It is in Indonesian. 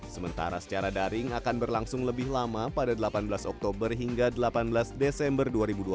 sementara secara daring akan berlangsung lebih lama pada delapan belas oktober hingga delapan belas desember dua ribu dua puluh